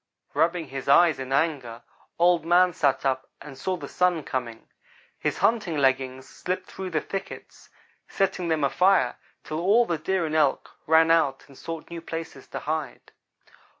"Rubbing his eyes in anger, Old man sat up and saw the Sun coming his hunting leggings slipping through the thickets setting them afire, till all the Deer and Elk ran out and sought new places to hide.